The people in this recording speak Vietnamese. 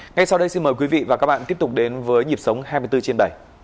ngay sau đây xin mời quý vị và các bạn tiếp tục đến với nhịp sống hai mươi bốn trên bảy